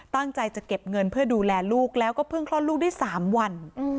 ตั้งใจจะเก็บเงินเพื่อดูแลลูกแล้วก็เพิ่งคลอดลูกได้๓วัน